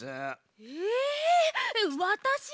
えわたしが？